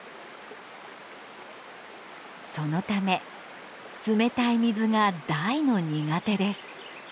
そのため冷たい水が大の苦手です。